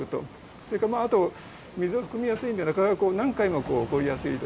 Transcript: このあと水を含みやすいんで、なかなか何回も起こりやすいと。